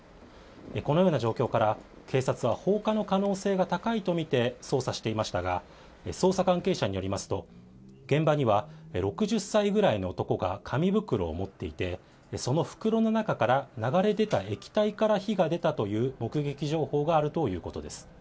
このような状況から、警察は放火の可能性が高いと見て、捜査していましたが、捜査関係者によりますと、現場には、６０歳ぐらいの男が紙袋を持っていて、その袋の中から流れ出た液体から火が出たという目撃情報があるということです。